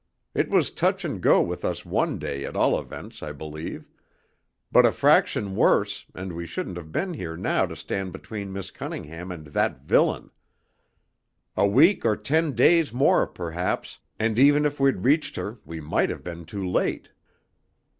It was touch and go with us one day, at all events, I believe; but a fraction worse, and we shouldn't have been here now to stand between Miss Cunningham and that villain. A week or ten days more, perhaps, and even if we'd reached her we might have been too late."